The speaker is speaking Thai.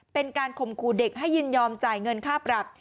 เป็นการข่มขู่เด็กให้ยินยอมจ่ายเงินค่าปรับ